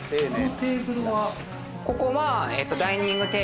ここは。